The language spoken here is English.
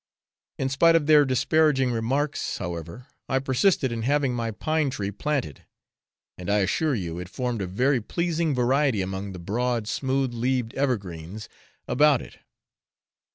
In spite of their disparaging remarks, however, I persisted in having my pine tree planted; and I assure you it formed a very pleasing variety among the broad smooth leaved evergreens about it.